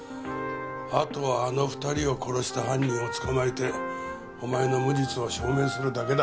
あとはあの２人を殺した犯人を捕まえてお前の無実を証明するだけだ。